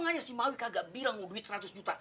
saya sih maui kagak bilang lu duit seratus juta